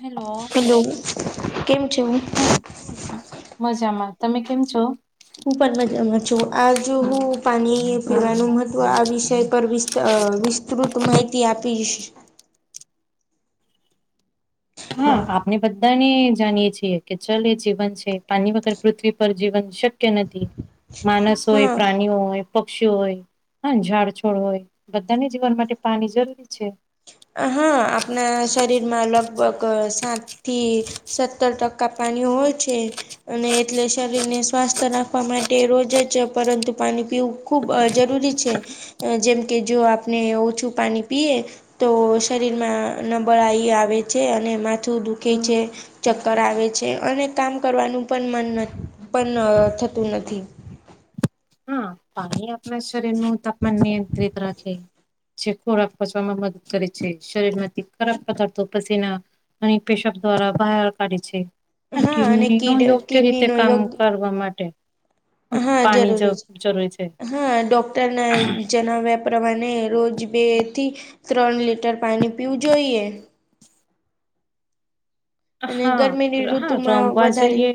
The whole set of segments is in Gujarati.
હેલો હલો કેમ છ? હમ મજામાં તમે કેમ છો? હું પણ છું આજ હું પાણી પીવાનું મહત્વ આ વિષય પર વિસ તૃત માહિતી આપી જ હા આ અણે બધાને જાણીએ છીએ કે ચાલ એ જીવન છે પાની વગર પૃથ્વી પર જીવન શક્ય નથી. માણસ હોય, હા પ્રાણીઓ હોય, પક્ષી હોય. હા ઝાડ છોડ હોય બધાને જીવન માટે પાણી જરૂરી છે. હા આપણા શરીરમાં લગભગ સાત થી સત્તર ટકા પાણી હોય છે. અને એટલે શરીરને સ્વાસ્થ રાખવા માટે રોજ જ પરંતુ પાણી પીવું ખૂબ જરૂરી છે જેમ કે જો આપણે ઓછું પાણી પીએ તો શરીરમાં નબળાાઈ આવે છે અને માથું દુખે છે. ચક્કર આવે છે અને કામ કરવાનું પણ મન પણ થતું નથી. હા પાણી આપણા શરીર નું તાપમાન નિયંત્રિત રાખે જે ખોરાક પચવામાં મદદ કરે છે શરીર માંથી ખરાબ પદાર્થો પશીના અને પેશબ દ્વારા બહાર કાઢે છે. હા અને [unintelligible] કીડ યોગ્ય રીતે કિડનીનો કામ યોગ કરવા માટે હા પાણી જ જરૂરી છે. જરૂરી છે હા ડૉક્ટરના જણાવ્યા પ્રમાણે રોજ બેથી ત્રણ લીટર પાણી પીવું જોઈએ. અને હા ગરમીની હા ઋતુમાં રમવા વધારે જઈએ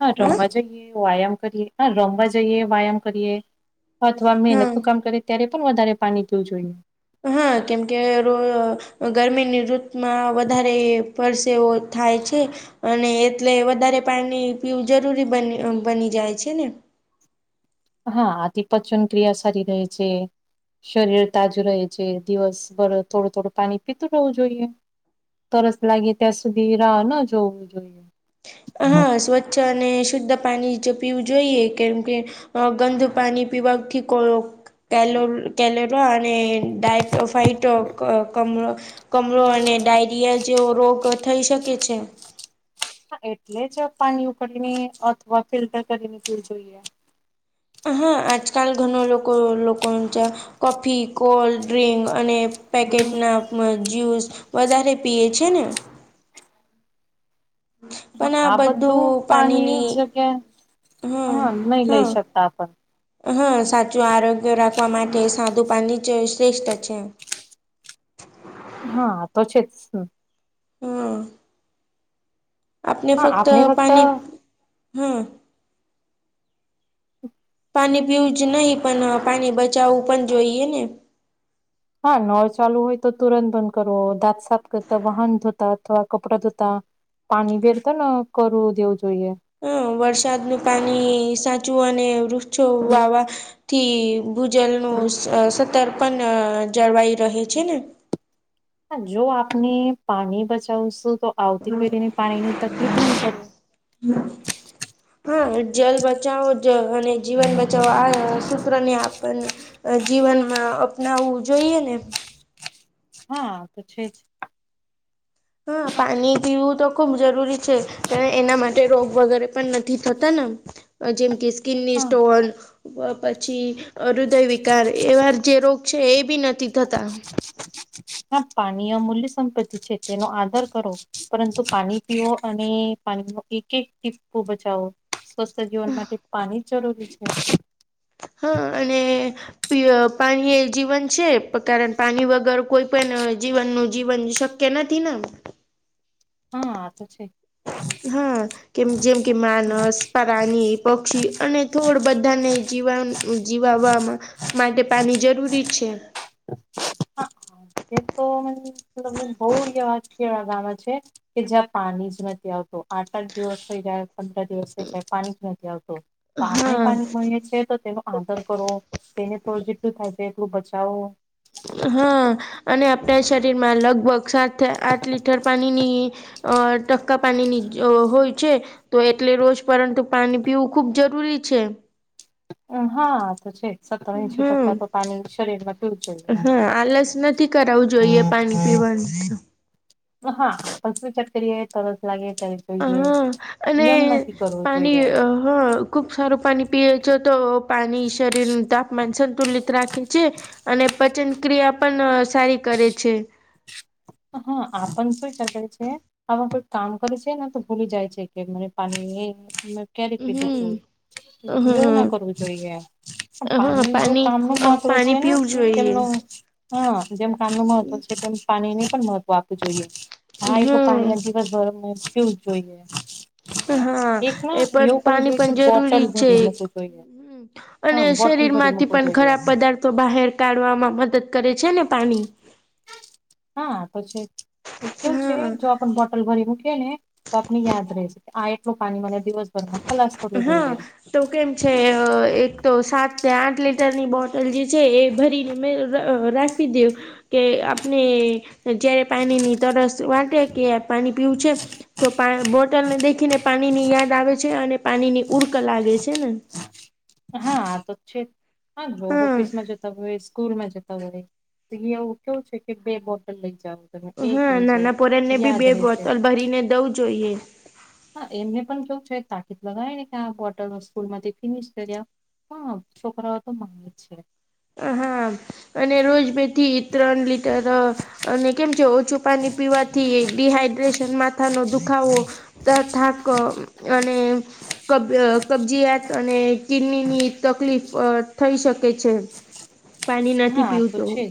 હા હ રમવા જ એ વ્યાયામ કરીએ રમવા જઈએ વ્યાયામ કરીએ અથવા હા મહેનતનું કામ કરી ત્યારે પણ વધારે પાણી પીવું જોઈએ. હા કેમકે ગરમીની ઋતુમાં વધારે પરસેવો થાય છે. અને એટલે વધારે પાણી પીવું જરૂરી બની જાય છે ને. હા આથી પચન ક્રિયા સારી રહે છે. શરીર તાજું રહે છે. દિવસભર થોડું થોડું પાણી પીતું રહેવું જોઈએ. તરસ લાગી ત્યાં સુધી રાહ ન જોવું જોઈએ. હા સ્વચ્છ અને શુદ્ધ પાણી જો પીવું જોઈએ કેમ કે અ ગંધ પાણી પીવાથી કોળો કેલો કલોરો અને ડાયટો ફાઈટ કમરો કમરો અને ડાયરિયા જેવો રોગ થઈ શકે છે. હા એટલે જ પાણી ઉકડીને અથવા ફિલ્ટર કરી ને પીવ જોઈએ. હા આજકાલ ઘના લોકો લોકો ચ કોફી કોલ્ડ ડ્રિંક અને પેકેટના જ્યુસ વધારે પીએ છે ને. આ બધું પાણી જગ્યા હા નહી લઈ શકતા આપણ. હા સાચું આરોગ્ય રાખવા માટે સાધું પાણી જ શ્રેષ્ઠ છે. હા તો છે જ. હમ. આપણે હા ફક્ત આપણે પાણી, હા. પાણી પીવું જ નહી પણ પાણી બચાવવું પણ જોઈએ ને. હા નોળ ચાલુ હોય તો તુરંત બંધ કરવો દાંત સાફ કરતા વાહન ધોતા અથવા કપડા ધોતા પાણી બેેર તો ન કરું દેવું જોઈએ. હ વરસાદનું પાણી સાચું અને વૃક્ષો વાવા થી ભૂજલ નું સતર્પ જળવાઈ રહે છે ને. હા જો આપને પાણી બચાવશું તો આવતી પેઢીને પાણીની તકલીફ ન પે. [inaudible] હા જલ બચાવો જ અને જીવન બચાવો આ સૂત્ર ને આપને જીવનમાં અપનાવવું જોઈએ ને હા. આતો છે જ. હા પાણી પીવું તો ખુબ જરૂરી છે. એના માટે રોગ વગેરે પણ નથી થતા ને જેમ કે સ્કિનની હા સ્ટોન પછી હૃદય વિકાર એવાર જે રોગ છે એ બી નથી થતા. હા પાણીયમૂલ્ય સંપત્તિ છે તેનો આદાર કરો પરંતુ પાણી પીઓ અને પાણી ન એક એક ટીપકું બચાવો સ્વસ્થ જીવન માટે પાણી જ જરૂરી છે. હા અને પાણી એ જીવન છે, કારણ પાણી વગર કોઈ પણ જીવનનું જીવન શક કેનાથી ના હા આ તો છે. હા કેમ જેમ કે માનસ પ્રાણી પક્ષી અને થોડ બધાને જીવા જીવાવામાં માટે પાણી જરૂરી છે. હા, એ તો બઉ અ વાત છે, ગામમાં છે. કે જ્યાં પાણી જ નથી આવતો આઠ આઠ દિવસ થઈ જાય. અ દિવસ ક પાણી જ નથી આવતું તો આપને હા પાણી મળી છે તો તેનો આદર કરો તેને તોડ જેટલું થાય છે, એટલું બચાવો હા અને આપણા શરીર માં લગભગ સાત આઠ લીટર પાણીની અ ટક્કા પાણી નિ હો છે. તો એટલે રોજ પરંતુ પાણી પીવું ખુબ જરૂરી છે. હા તો છે. સત્તર એંશી હમ ટકા તો પાણી શરીરમાં પીવું જોઈએ હા આલસ નથી કરાવું જોઈએ પાણી પીવાનુ લર હા પંચમી ચટ કરીરીએ તસ લાગે ત હા અને પાણી. જોઈએ હ ખૂબ સારું પાણી પીય છે તો પાણી શરીરનું તાપમાન સંતુલિત રાખે છે. અને પચન ક્રિયા પણ સારી કરે છે. હા આપણ શું શક છે. આમાં કોઈ કામ કરે છે તો ભૂલી જાય છે કે મ પાણી. કે્યારે પીધ તો હમ યોગ હમ ના કરવું જોઈએ પાણી જો કામ ન મહત્વ પાણી છેને, પીવું જોઈએ તેમનુ હા જેમ કામ ન મહત્વ છે તેમ પાણીને પણ મહત્વ આપવું જોઈએ હા એ હમ પાણી. ર શું જોઈએ. હા એક ના એ પણ એવું કરવું પાણી જોઈએ કે પણ બોટલ જરૂરી છે ભરી મૂકવું જોઈએ અને હા બોટલ શરીર ભરી માંથી મૂકવું પણ જોઈએ ખરાબ પદાર્થ તો બહાર કાઢવામાં મદદ કરે છેને, પાણી હા તો છે જ કેું છે હા જો આપને બોટલ ભરી મૂકીએ ને તો આપને યાદ રહેશે કે આ એટલું પાણી મને દિવસ સરમામાં કલાસ કર હા જોઈએ. તો કેમ છે એક તો સાત આઠ લીટરની બોટલ જે છે એ ભરીને રાખી દ્યો કે આપણે જયારે પાણીની તરસ વાટે કે પાણી પીવું છે. તો પા બોટલને દેખીને પાણી ની યાદ આવે છે અને પાણી ની ઉર્ક લાગે છે ને. હા આ તો જ છે હા જો ઓફિસમાં જતા હોય સ્કૂલ માં જતા હોય અહીયા એવું કેવું છે કે બે બોટલ લઇ જાવ તમે એક હા લઈ જાવ નાના પોરા ને બી યાદ બે રહેશે. બોટલ ભરીને દઉ જોઈએ. હા એમને પણ કેવું છે તાકીદ લગાવી ને કે આ બોટલ સ્કૂલ માંથી ફિનિશ હ છોકરાઓ તો ગ છે. હા અને રોજ બે થી ત્રણ લીટર અને કેમ છે. ઓછું પાણી પીવાથી એડી હાઈડ્રેશન માથા નો દુખાવો ત થાક અને કબય કબજયાત અને કિડની ની તકલીફ થઈ શકે છે પાણી હા નથી આ તો પીવતો છે જ.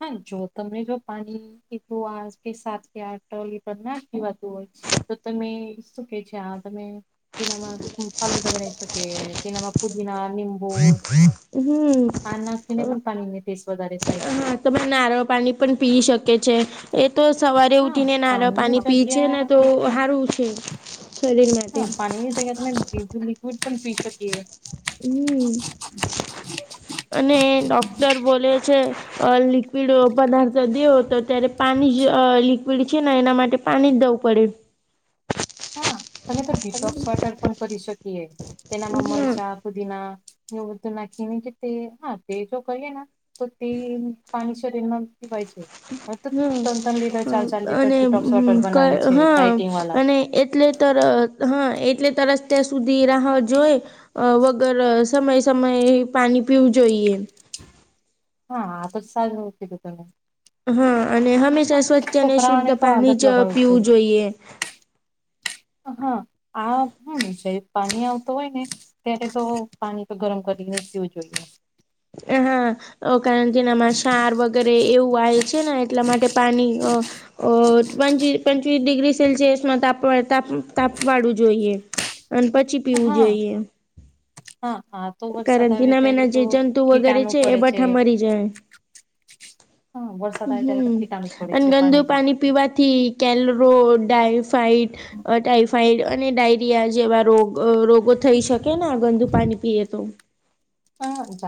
હા જો તમને જો પાણી [inaudible] આજ કે સાત કે આઠ ટલી આટલી વાતું હોય તો તમે શું કેય છે આ તમે તેનામાં ફલુદા બનાવી શકે તેનામાં પુદીના નિંબુ હમ તેને પણ પાણી ને ટેસ્ટ વધારે થાય છે તમારા નારળ પાણી પણ પી શકે છે એ તો સવારે હા ઉઠીને નારળ પાણીની પાણી પી છે જગ્યા ને તો લિક્વિડ હારું છે શરીર માટે હા પાણીની જગ્યા તમે લિક્વિડ પણ પી શકીએ હમ અને ડોક્ટર બોલે છે અ લિક્વિડ પદાર્થ દેવ તો ત્યારે પાણી જ લિક્વિડ છે ને એના માટે પાણી દવ પડે હા તમે તો ડીટોક વર્ટર પણ કરી શકીએ તેનામાં હમ મરસા કુદીના એવુ બધું નાખી કે તે હા તે તો કઈએ ના તો તે પાણી શરીરમાં વાય છે હવે તો હા ત્રણ ત્રણ લીટર ચાર ચાર હ લીટર અને ડિટોક્સ વોટર બનાવે છે હા ડાયટિંગ વાલા અને એ એટલે તર હા એટલે તરસ તે સુધી રાહ જોઈ અ વગર સમયે સમયે પાણી પીવું જોઈએ હા આ તો સારું કીધું તમે હા અને હા, હંમેશા સ્વચ્છ અને શુદ્ધ છોકરાઓને તો પાણી આદત જ લગાવું પીવું જોઈએ હા આ [unintelligible] પાણી આવતું હોય ને ત્યારે તો પાણી તો ગરમ કરીને પીવું જોઈએ અ હા અ કારણ કેનામાં સાર વગેરે એવું આવે છે ને એટલા માટે પાણી અ ઓંચ પંચવીસ ડિગ્રી સેલ્સિયસમાં તાપ વાળું જોઈએ અન પછી પીવું જોઈએ હા હા વરસાદ કારણ આવે તેના મેના ત્યારે જે તો જંતુ વગેરે કીટાણુ છે એ પડે બઠા મરી જાય હાં વર્ષ હમ અને ગંદુ પાણી પીવાથી કેલરો ડાયફાઈડ ટાઈફાઈડ અને ડાઈ જેવા રોગ રોગો થઈ શકે ને ગંદુ પાણી પીએ તો હાત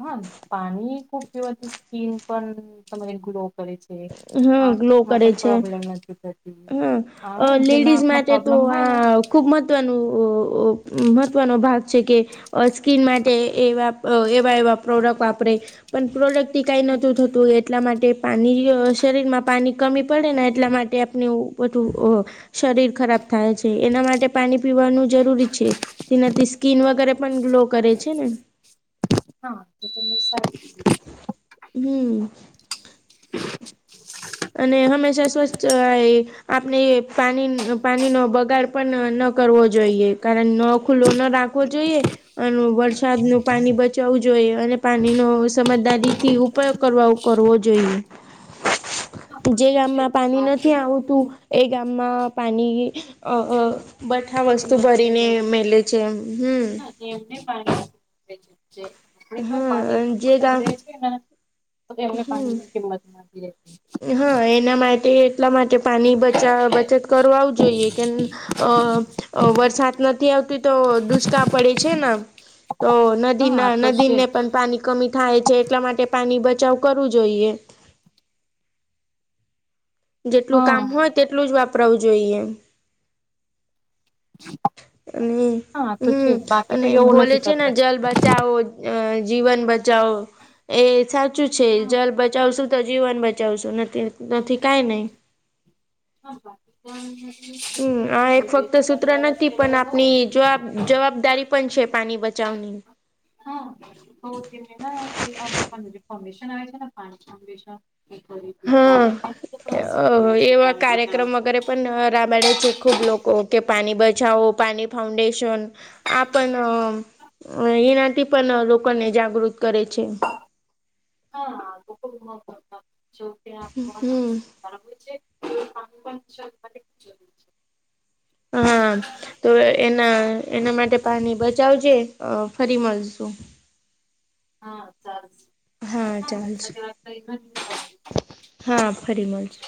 હા પાણી ખૂબ પીવાથી સ્કીન પણ તમારે ગ્લો કરે છે હા ગ્લો આંખમાં કરે પણ છે પ્રોબ્લેમ નથી થતી હા હ જેના લેડીઝ આંખમાં માટે તો પ્રોબ્લેમ હોય ને આ ખૂબ મહત્ત્વનું મહત્ત્વનો ભાગ છે કે અ સ્કીન માટે એવા એવા એવા પ્રોડક્ટ વાપરે પણ પ્રોડક્ટ ટી કાઈ નતું થતું એટલા માટે પાણી શરીરમાં પાણી કમી પડે ને એટલા માટે આપણે બધું શરીર ખરાબ થાય છે એના માટે પાણી પીવાનું જરૂરી છે તી નતી સ્કીન વગેરે પણ ગ્લો કરે છે ને હા તો તને [inaudible] હમ્મ. અને હંમેશા સ્વસ્થ એ આપણે પાણી પાણી નો બગાડ પણ ન કરવો જોઈએ કારણ ન ખુલ્લો ના રા કો જોઈએ એનુ વરસાદ નું પાણી બચાવવું જોઈએ, અને પાણી નું સમજદારી થી ઉપયોગ કરવ કરવો જોઈએ. હા હા જે તો છે જ. ગામમાં પાણી બાકી નથી લોકો આવતું એ ગામમાં પાણી અહ બઠા વસ્તુ કિંમત ભરીને તેમને મેલે છે એમ. હમ્મ. હા એમને પાણી [inaudible] અહી તો પાણી હા જે ખૂબ ગામ રહે છે ના, તો એમને પાણીની કિંમત ના રહે. એ હા, એના માટે એટલા માટે પાણી બચા બચત કરવવાવું જોઈએ, કેમ અહ-અહ વરસાદ નથી આવતો, તો દુષ્કાળ પડે છે ના. તો હા આ નદીના તો છે નદીને જ પણ પાણી કમી થાય છે, એટલા માટે પાણી બચાવ કરવું જોઈએ. જેટલું કામ હા હોય તેટલું જ વપરાવું જોઈએ.. અને હા તો છે હમ્મ, જ. બાકી તો અને એવું બોલે નથી છે ને કરતા જલ બચ બચાવો અહ જીવન બચાવો. એ સાચું છે, હા જલ બચાવશું તો જીવન બચાવશું, નહિંતર નથી કાંઈ નહી. [inaudible] [unintelligible] હમ્મ. આ એક અમે બે ફક્ત ત્રણ સૂત્ર વરસ નથી, પણ પહેલા તો આપની જવાબ જવાબદારી પણ છે પાણી બચાવની. હા, તો તેમને ના કોઈ [unintelligible] જે ફાઉન્ડેશન આવે છે ના, ફા ફાઉન્ડેશન મેં કર્યું તું, [unintelligible] સિટી ના છે. પાણી બચાવવા કાર્યક્રમક વગેરે પણ [unintelligible] છે ખુબ લોકો, કે પાણી બચાવો, પાણી ફાઉન્ડેશન આ પણ અહ એનાથી પણ લોકોને જાગૃત કરે છે. હા [inaudible] જોકે આપવાનો હમ છે. [inaudible] હા, તો એના-એના માટે પાણી બચાવજે. અહ ફરી મલશું. હા, ચાલશે. હા તારી સાથે વાત કરી ઘની [unintelligible] હા, ફરી મલશું.